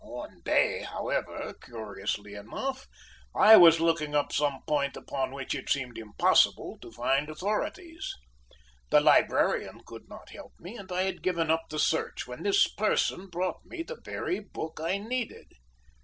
One day, however, curiously enough, I was looking up some point upon which it seemed impossible to find authorities. The librarian could not help me, and I had given up the search, when this person brought me the very book I needed.